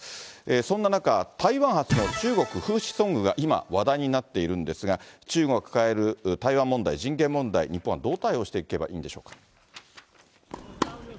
そんな中、台湾発の中国風刺ソングが今、話題になっているんですが、中国が抱える台湾問題、人権問題、日本はどう対応していけばいいんでしょうか。